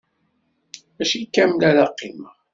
Mačči kamel ara qqimeɣ.